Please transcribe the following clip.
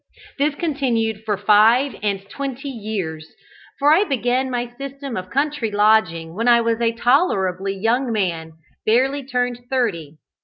This continued for five and twenty years for I began my system of country lodging when I was a tolerably young man barely turned thirty.